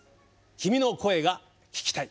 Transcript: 「君の声が聴きたい」。